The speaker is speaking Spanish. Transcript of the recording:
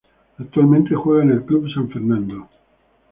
Actualmente juega en el Club San Fernando.